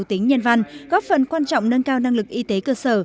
tính nhân văn góp phần quan trọng nâng cao năng lực y tế cơ sở